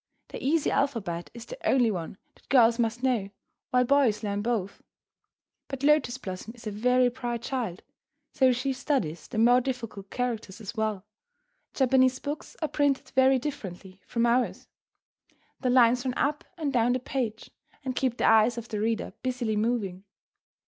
The easy alphabet is the only one that girls must know, while boys learn both. But Lotus Blossom is a very bright child, so she studies the more difficult characters as well. Japanese books are printed very differently from ours. The lines run up and down the page, and keep the eyes of the reader busily moving.